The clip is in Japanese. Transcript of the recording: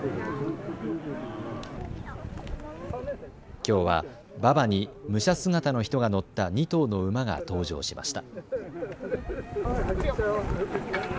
きょうは馬場に武者姿の人が乗った２頭の馬が登場しました。